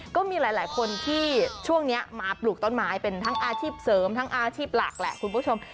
ก็มีหลายคนที่ช่วงนี้มาปลูกต้นไม้เป็นทั้งอาชีพเสริมทั้งอาชีพหลักแหละคุณผู้ชม